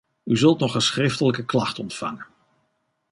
U zult nog een schriftelijke klacht ontvangen.